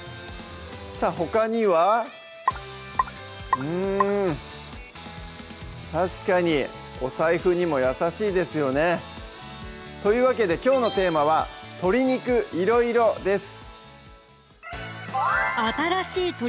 さぁほかにはうん確かにお財布にも優しいですよねというわけできょうのテーマは「鶏肉いろいろ」です